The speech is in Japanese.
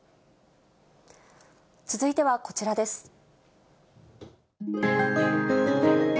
続いてはこちらです。